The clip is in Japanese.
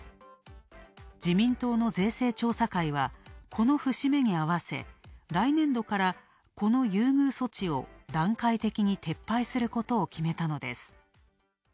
自民党の税制調査会は、この節目にあわせ、来年度からこの優遇措置を段階的に撤廃することを決めたのです。